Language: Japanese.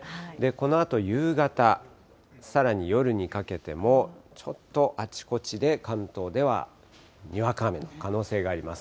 このあと夕方、さらに夜にかけても、ちょっとあちこちで、関東ではにわか雨の可能性があります。